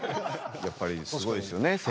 やっぱりすごいですよね